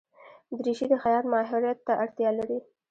دریشي د خیاط ماهرت ته اړتیا لري.